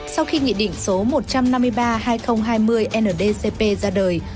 sau khi nghị định số một trăm năm mươi ba hai nghìn hai mươi ndcp ra đời